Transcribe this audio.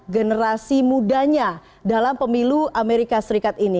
generasi mudanya dalam pemilu amerika serikat ini